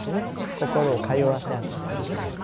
心を通わせ合ったわけね。